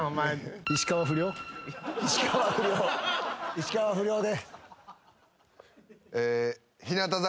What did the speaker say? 石川不遼で。